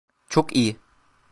Çok iyi.